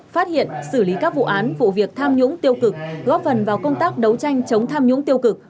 phát hiện xử lý các vụ án vụ việc tham nhũng tiêu cực góp phần vào công tác đấu tranh chống tham nhũng tiêu cực